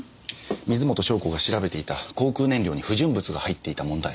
水元湘子が調べていた航空燃料に不純物が入っていた問題